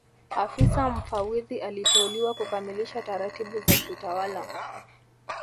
Afisa Mfawidhi aliteuliwa kukamilisha taratibu za kiutawala